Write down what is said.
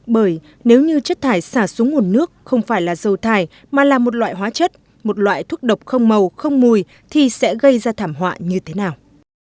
bởi nếu như chất thải xả xuống nguồn nước không phải là dầu thải mà là một loại hóa chất một loại thuốc độc không màu không mùi thì sẽ gây ra thảm họa như thế nào